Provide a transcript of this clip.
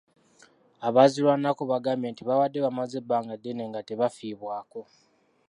Abaazirwanako baagambye nti babadde bamaze ebbanga ddene nga tebafiibwako.